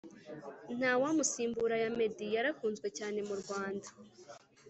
Ntawamusimbura ya meddy yarakunzwe cyane mu Rwanda